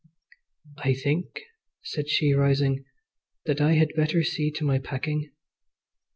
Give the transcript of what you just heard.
"I think," said she rising, "that I had better see to my packing."